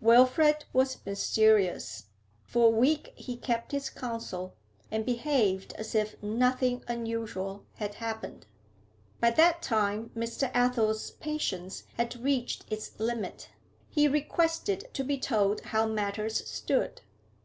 Wilfrid was mysterious; for a week he kept his counsel, and behaved as if nothing unusual had happened. By that time Mr. Athel's patience had reached its limit; he requested to be told how matters stood.